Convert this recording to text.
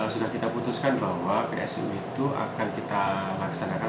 sudah kita putuskan bahwa psu itu akan kita laksanakan